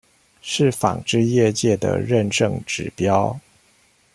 是紡織業界的認證指標